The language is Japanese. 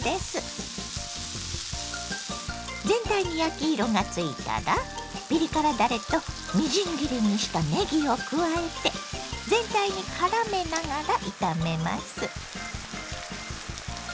全体に焼き色がついたらピリ辛だれとみじん切りにしたねぎを加えて全体にからめながら炒めます。